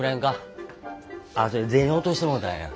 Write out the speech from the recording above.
あっそや銭落としてもうたんや。